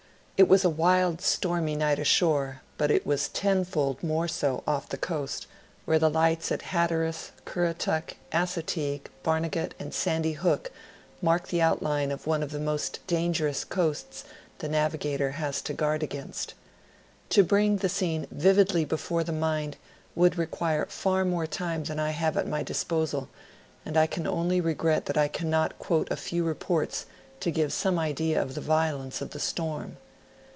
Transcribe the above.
It was a wild, stormy night ashore, but it was ten fold more so off the coast, where the lights at Hatteras, Currituck, Assateague, Barnegat, and Sandy Hook mark the outline of one of the most dangerous coasts the navigator has to guard against. To bring the scene vividly before the mind would requii'e far more time than I have at my disposal, and I can only regret that I cannot quote a few reports to give some idea of the violence of the storm.